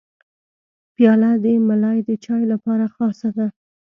پیاله د ملای د چای لپاره خاصه ده.